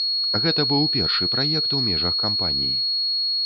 Гэта быў першы праект у межах кампаніі.